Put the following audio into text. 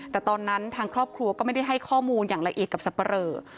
แต่ตอนนั้นทางครอบครัวก็ไม่ได้ให้ข้อมูลอย่างละเอียดกับสับปะเรอ